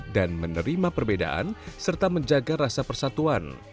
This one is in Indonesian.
dan menerima perbedaan serta menjaga rasa persatuan